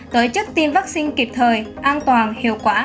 tổ chức tiêm vaccine kịp thời an toàn hiệu quả